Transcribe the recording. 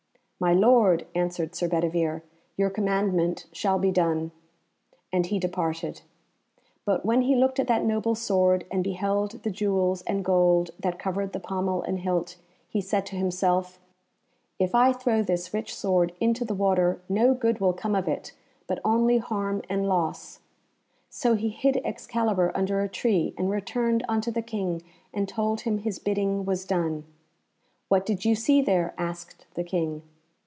"My lord," answered Sir Bedivere, "your commandment shall be done," and he departed. But when he looked at that noble sword, and beheld the jewels and gold that covered the pommel and hilt, he said to himself, "If I throw this rich sword into the water no good will come of it, but only harm and loss;" so he hid Excalibur under a tree, and returned unto the King and told him his bidding was done. "What did you see there?" asked the King.